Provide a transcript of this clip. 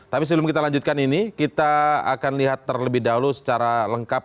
tapi sebelum kita lanjutkan ini kita akan lihat terlebih dahulu secara lengkap